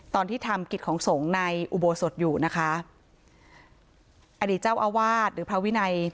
ตอนที่ทำกิจของสงฆ์ในอุโบสถอยู่นะคะอดีตเจ้าอาวาสหรือพระวินัย